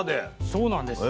そうなんです。